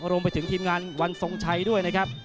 รวมไปถึงทีมงานวันทรงชัยด้วยนะครับ